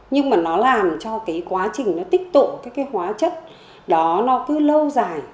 nhưng mà nó làm cho cái quá trình nó tích tụ các cái hóa chất đó nó cứ lâu dài